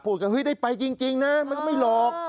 เฮ้ยได้ไปจริงนะมันก็ไม่หลอก